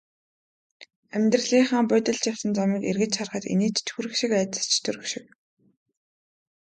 Амьдралынхаа будилж явсан замыг эргэж харахад инээд ч хүрэх шиг, айдас ч төрөх шиг.